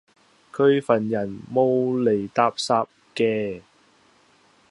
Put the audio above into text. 佢份人冇厘搭霎既